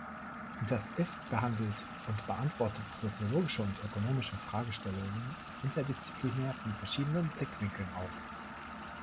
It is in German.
Das "iff" behandelt und beantwortet soziologische und ökonomische Fragestellungen interdisziplinär von verschiedenen Blickwinkeln aus.